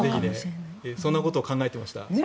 そんなことを考えていました。